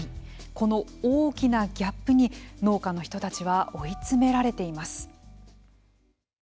この大きなギャップに農家の人たちは追い詰められています。